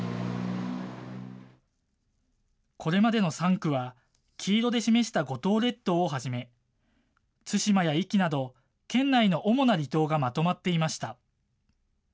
これまでの３区は、黄色で示した五島列島をはじめ、対馬や壱岐など、県内の主な離島がまとまっていました。